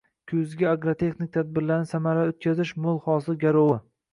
Kuzgi agrotexnik tadbirlarni samarali o‘tkazish mo‘l hosil garoving